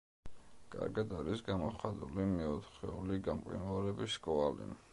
კარგად არის გამოხატული მეოთხეული გამყინვარების კვალი.